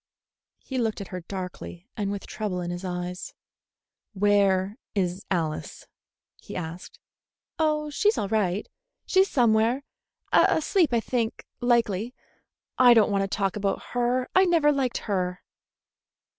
He looked at her darkly and with trouble in his eyes. "Where is Alice?" he asked. "Oh, she's all right. She's somewhere. Asleep, I think likely. I don't want to talk about her. I never liked her."